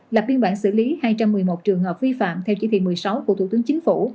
lập biên bản xử lý hai trăm một mươi một trường hợp vi phạm theo chỉ thị một mươi sáu của thủ tướng chính phủ